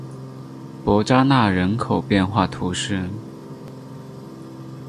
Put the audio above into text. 伯扎讷人口变化图示